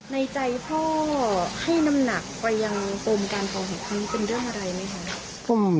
ในใจพ่อให้น้ำหนักไปยังโปรุงการภารกิจเป็นเรื่องอะไรไหมคะ